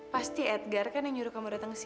pasti edgar kan yang nyuruh kamu datang ke sini